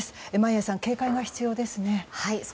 眞家さん、警戒が必要ですね。